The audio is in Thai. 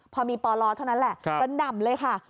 พอมีปลเท่านั้นแหละกระหน่ำเลยค่ะ